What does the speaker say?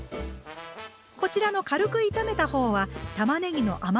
こちらの軽く炒めた方はたまねぎの甘みと食感。